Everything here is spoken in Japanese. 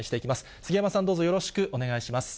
杉山さん、どうぞよろしくお願い